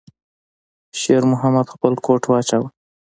شېرمحمد خپل کوټ واچاوه.